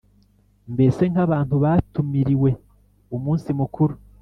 mbese nk’abantu batumiriwe umunsi mukuru;